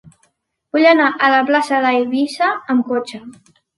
Vull anar a la plaça d'Eivissa amb cotxe.